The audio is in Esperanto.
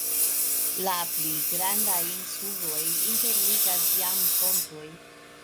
La pli grandajn insulojn interligas jam pontoj.